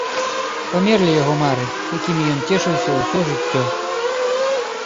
Памерлі яго мары, якімі ён цешыўся ўсё жыццё.